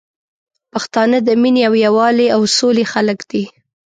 پښتانه د مينې او یوالي او سولي خلګ دي